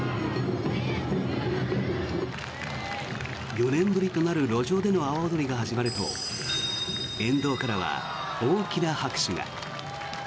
４年ぶりとなる路上での阿波おどりが始まると沿道からは大きな拍手が。